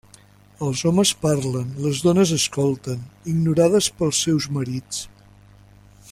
Els homes parlen, les dones escolten, ignorades pels seus marits.